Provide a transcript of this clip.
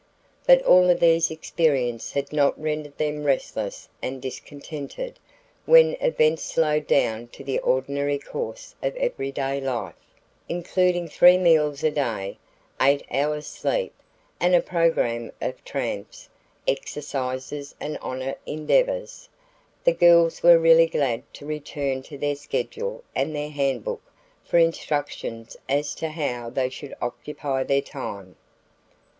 But all of these experiences had not rendered them restless and discontented when events slowed down to the ordinary course of every day life, including three meals a day, eight hours' sleep, and a program of tramps, exercises and honor endeavors. The girls were really glad to return to their schedule and their handbook for instructions as to how they should occupy their time.